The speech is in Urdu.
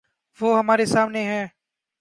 وہ ہمارے سامنے ہے۔